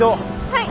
はい！